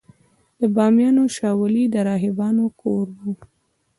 د بامیانو شاولې د راهبانو کور و